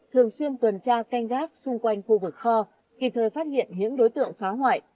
thường xuyên tuần tra canh gác xung quanh khu vực kho kịp thời phát hiện những đối tượng phá hoại